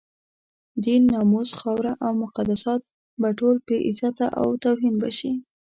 دين، ناموس، خاوره او مقدسات به ټول بې عزته او توهین به شي.